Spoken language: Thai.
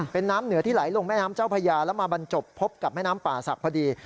เป็นน้ำเหนือที่ไหลลงแม่น้ำเจ้าพญาแล้วมาบรรจบพบกับแม่น้ำป่าศักดิ์พอดี